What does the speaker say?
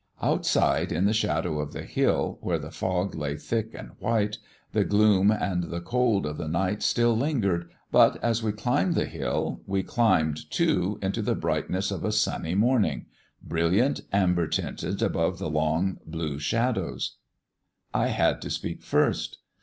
Outside in the shadow of the hill, where the fog lay thick and white, the gloom and the cold of the night still lingered, but as we climbed the hill we climbed, too, into the brightness of a sunny morning brilliant, amber tinted above the long blue shadows. I had to speak first.